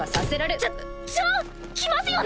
じゃじゃあ来ますよね